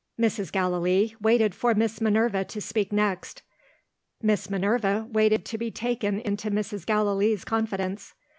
Mrs. Gallilee waited for Miss Minerva to speak next. Miss Minerva waited to be taken into Mrs. Gallilee's confidence.